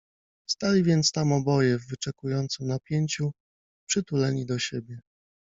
Stali więc tam oboje w wyczekującym napięciu, przytuleni do siebie.